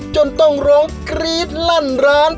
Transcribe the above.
จนต้องร้องกรี๊ดลั่นร้าน